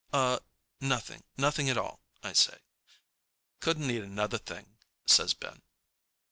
"Uh, nothing, nothing at all," I say. "Couldn't eat another thing," says Ben.